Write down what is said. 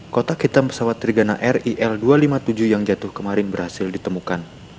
kotak hitam pesawat trigana ril dua ratus lima puluh tujuh yang jatuh kemarin berhasil ditemukan